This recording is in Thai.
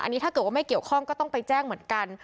อันนี้ถ้าเกิดว่าไม่เกี่ยวข้องก็ต้องไปแจ้งเหมือนกัน